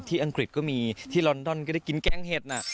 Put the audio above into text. อังกฤษก็มีที่ลอนดอนก็ได้กินแกงเห็ดน่ะ